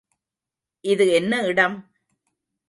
இது என்ன இடம்?